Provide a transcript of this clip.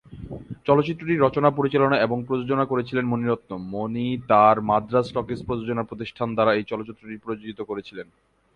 চলচ্চিত্রটি রচনা, পরিচালনা এবং প্রযোজনা করেছিলেন মণি রত্নম, মণি তার মাদ্রাজ টকিজ প্রযোজনা প্রতিষ্ঠান দ্বারা এই চলচ্চিত্রটি প্রযোজিত করেছিলেন।